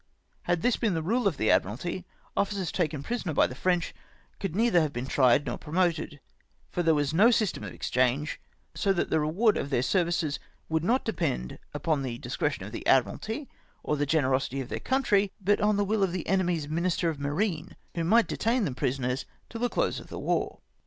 Had this been the rule of the Admiralty, officers taken prisoners by the French could neither have been tried nor promoted, for there teas no system of exchange, so that the reward of their services would not depend upon the discretion of the Admiralty or the generosity of their countiy, but on the will of the enemy's Minister of Marine, wlio might detam them prisoners till the close of the war.